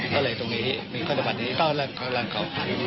ก็เลยตรงนี้มีกฎบัตรนี้ก็เรากรรมก่อน